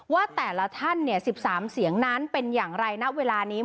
ว่าแต่ละท่าน๑๓เสียงนั้นเป็นอย่างไรณเวลานี้